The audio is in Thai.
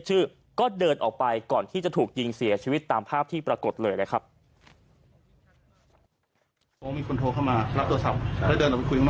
ไม่ได้ฮิรี่รัสไม่ได้อะไรเลย